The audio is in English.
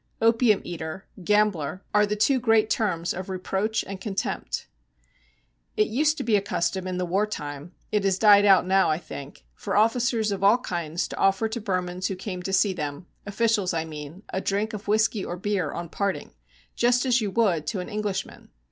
'Opium eater,' 'gambler,' are the two great terms of reproach and contempt. It used to be a custom in the war time it has died out now, I think for officers of all kinds to offer to Burmans who came to see them officials, I mean a drink of whisky or beer on parting, just as you would to an Englishman.